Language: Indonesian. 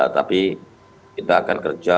tapi kita akan kerja